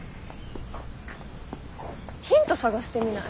ヒント探してみない？